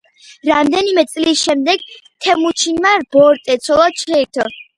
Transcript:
რამდენიმე წლის შემდეგ თემუჩინმა ბორტე ცოლად შეირთო.